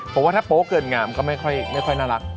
ผมว่าถ้าโป๊เกินงามก็ไม่ค่อยน่ารัก